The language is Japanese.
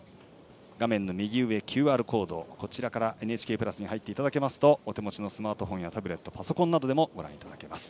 画面右上ＱＲコードから「ＮＨＫプラス」に入っていただきますとお手持ちのスマートフォンやパソコンなどでもご覧いただけます。